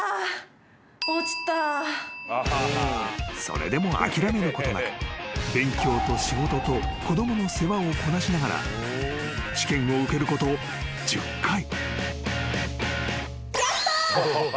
［それでも諦めることなく勉強と仕事と子供の世話をこなしながら試験を受けること１０回］